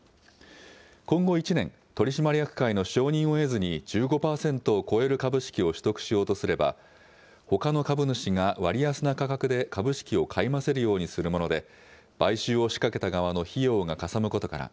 今後１年、取締役会の承認を得ずに１５％を超える株式を取得しようとすればほかの株主が割安な価格で株式を買い増せるようにするもので買収を仕掛けた側の費用がかさむことから